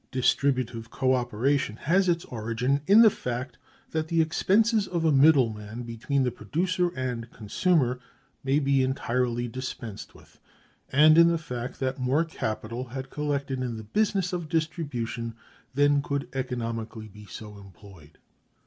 Distributive co operation has its origin in the fact that the expenses of a middle man between the producer and consumer may be entirely dispensed with, and in the fact that more capital had collected in the business of distribution than could economically be so employed.